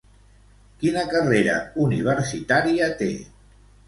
Quina carrera universitària té?